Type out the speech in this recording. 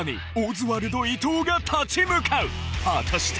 果たして！？